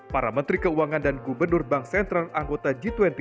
para menteri keuangan dan gubernur bank sentral anggota g dua puluh